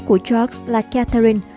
của george là catherine